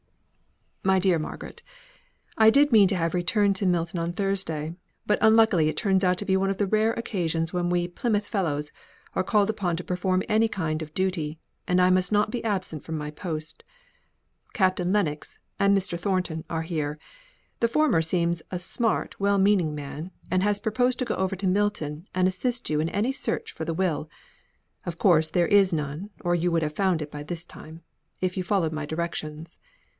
"MY DEAR MARGARET: I did mean to have returned to Milton on Thursday, but unluckily it turns out to be one of the rare occasions when we, Plymouth Fellows, are called upon to perform any kind of duty, and I must not be absent from my post. Captain Lennox and Mr. Thornton are here. The former seems a smart, well meaning man; and has proposed to go over to Milton, and assist you in any search for the will; of course there is none, or you would have found it by this time, if you followed my directions.